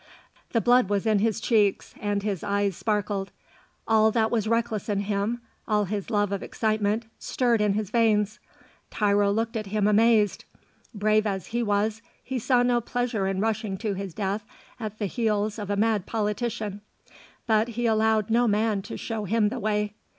The blood was in his cheeks and his eyes sparkled; all that was reckless in him, all his love of excitement, stirred in his veins. Tiro looked at him amazed. Brave as he was, he saw no pleasure in rushing to his death at the heels of a mad politician; but he allowed no man to show him the way.